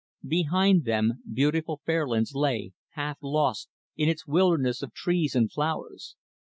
Behind them, beautiful Fairlands lay, half lost, in its wilderness of trees and flowers.